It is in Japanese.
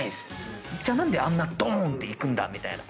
じゃあ何であんなドン！っていくんだ？みたいな。